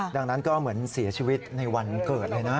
ดังนั้นก็เหมือนเสียชีวิตในวันเกิดเลยนะ